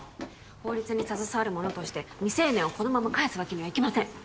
法律に携わる者として未成年をこのまま帰すわけにはいきません